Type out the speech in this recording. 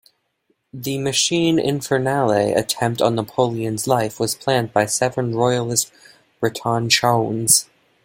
The "machine infernale" attempt on Napoleon's life was planned by seven royalist Breton chouans.